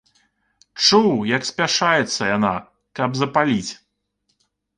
Чуў, як спяшаецца яна, каб запаліць.